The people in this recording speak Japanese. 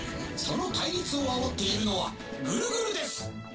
その対立をあおっているのはグルグルです！